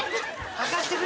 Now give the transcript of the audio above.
はかしてくれ。